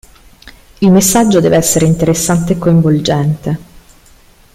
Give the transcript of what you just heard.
Il messaggio deve essere interessante e coinvolgente.